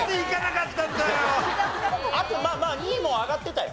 あとまあまあ２位も挙がってたよ。